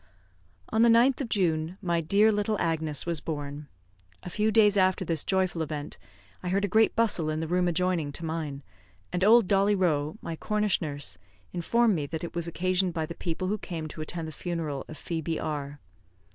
On the 9th of June, my dear little Agnes was born. A few days after this joyful event, I heard a great bustle in the room adjoining to mine, and old Dolly Rowe, my Cornish nurse, informed me that it was occasioned by the people who came to attend the funeral of Phoebe R